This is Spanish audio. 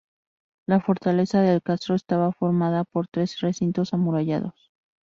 La fortaleza del Castro estaba formada por tres recintos amurallados.